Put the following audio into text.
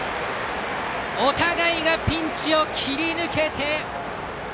お互いがピンチを切り抜けて。